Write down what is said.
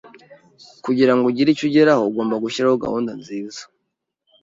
Kugira ngo ugire icyo ugeraho, ugomba gushyiraho gahunda nziza.